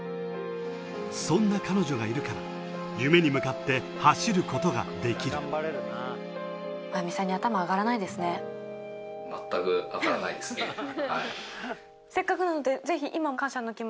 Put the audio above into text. そんな彼女がいるから夢に向かって走ることができるハハハ！